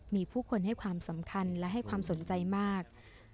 มีผู้คนให้ความสำคัญและให้ความสนใจมาก